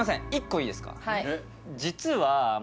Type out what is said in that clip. １個いいですか？